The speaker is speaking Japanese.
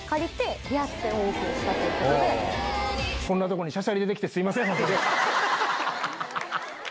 こんなとこに。